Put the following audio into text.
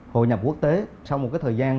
hội nhập quốc tế sau một cái thời gian